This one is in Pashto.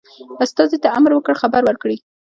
استازي ته امر وکړ خبر ورکړي.